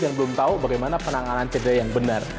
dan belum tahu bagaimana penanganan cedera yang benar